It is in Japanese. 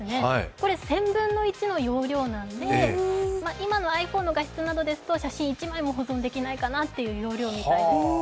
これ、１０００分の１の容量なので、今のｉＰｈｏｎｅの画質などですと写真１枚も保存できないかなという容量みたいです。